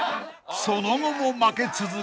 ［その後も負け続け］